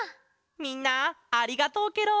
みんなありがとうケロ！